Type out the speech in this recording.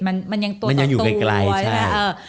มันยังตัวต่อตัวมันยังอยู่ไกลใช่